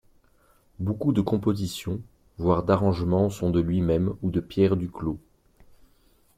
Beaucoup de compositions, voire d'arrangements sont de lui-même ou de Pierre Duclos.